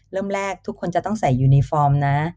เริ่มแรกทุกคนจะต้องใส่ยูนิฟอร์มนะ